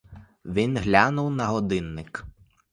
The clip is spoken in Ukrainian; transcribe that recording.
Він глянув на годинник.